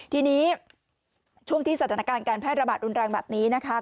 ทีนี้ช่วงที่สถานการณ์การแพร่ระบาดรุนแรงแบบนี้นะคะ